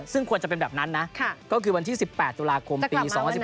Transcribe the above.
ซึ่งควรจะเป็นแบบนั้นนะก็คือวันที่๑๘ตุลาคมปี๒๐๑๙